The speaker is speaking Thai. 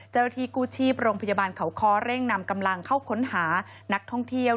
เจ้าหน้าที่กู้ชีพโรงพยาบาลเขาคอเร่งนำกำลังเข้าค้นหานักท่องเที่ยว